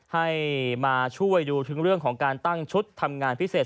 ให้มาช่วยดูถึงเรื่องของการตั้งชุดทำงานพิเศษ